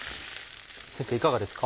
先生いかがですか？